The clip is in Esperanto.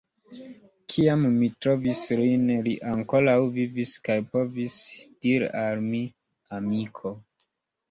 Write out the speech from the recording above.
Kiam mi trovis lin, li ankoraŭ vivis kaj povis diri al mi: «Amiko...